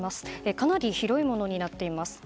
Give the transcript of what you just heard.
かなり広いものになっています。